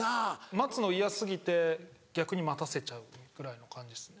待つの嫌過ぎて逆に待たせちゃうぐらいの感じですね。